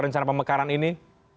rencana pemekaran ini